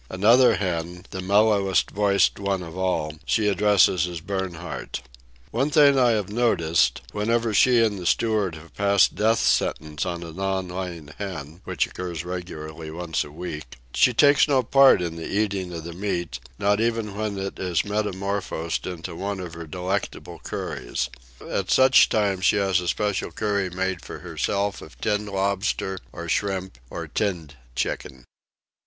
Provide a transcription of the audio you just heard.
Another hen—the mellowest voiced one of all—she addresses as Bernhardt. One thing I have noted: whenever she and the steward have passed death sentence on a non laying hen (which occurs regularly once a week), she takes no part in the eating of the meat, not even when it is metamorphosed into one of her delectable curries. At such times she has a special curry made for herself of tinned lobster, or shrimp, or tinned chicken.